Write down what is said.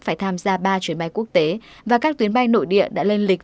phải tham gia ba chuyến bay quốc tế và các tuyến bay nội địa đã lên lịch